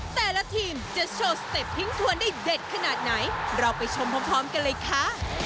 แต่ละทีมจะโชว์สเต็ปทิ้งทวนได้เด็ดขนาดไหนเราไปชมพร้อมกันเลยค่ะ